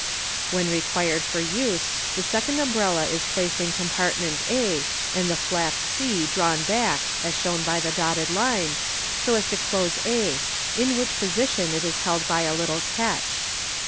When required for use, the second umbrella is placed in compartment a, and the flap c drawn back (as shown by the dotted line) so as to close a, in which posi tion it is held by a little catch.